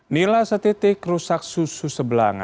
nilai setitik rusak susu sebelang